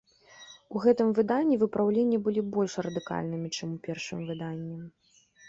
У гэтым выданні выпраўленні былі больш радыкальнымі, чым у першым выданні.